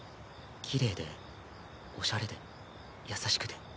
きれいでおしゃれで優しくて。